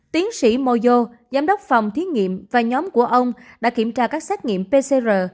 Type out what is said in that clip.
tiến sĩ moyo giám đốc phòng thiết nghiệm và nhóm của ông đã kiểm tra các xét nghiệm pcr